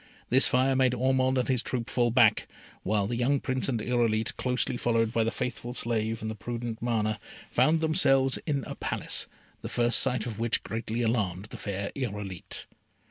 This fire made Ormond and his troop fall back, while the young Prince and Irolite, closely followed by the faithful slave and the prudent Mana, found themselves in a Palace, the first sight of which greatly alarmed the fair Irolite.